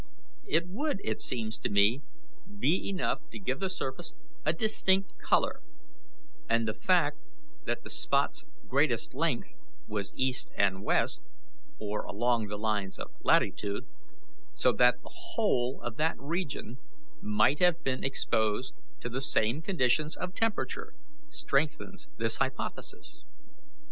It would, it seems to me, be enough to give the surface a distinct colour; and the fact that the spot's greatest length was east and west, or along the lines of latitude, so that the whole of that region might have been exposed to the same conditions of temperature, strengthens this hypothesis.